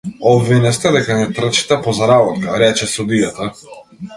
Обвинет сте дека не трчате по заработка, рече судијата.